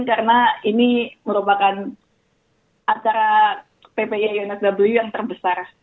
karena ini merupakan acara ppia unsw yang terbesar